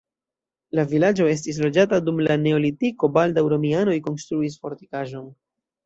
La vilaĝo estis loĝata dum la neolitiko, baldaŭ romianoj konstruis fortikaĵon.